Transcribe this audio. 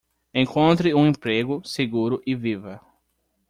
Encontre um emprego seguro e viva